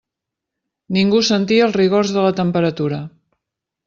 Ningú sentia els rigors de la temperatura.